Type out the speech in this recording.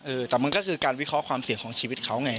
เออแต่มันก็คือการวิเคราะห์ความเสี่ยงของชีวิตเขาไง